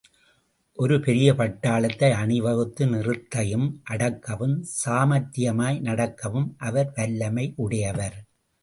ஒரு பெரிய பட்டாளத்தை அணிவகுத்து நிறுத்தயும், அடக்கவும், சாமர்த்தியமாய் நடத்தவும் அவர் வல்லமையுடையவர்.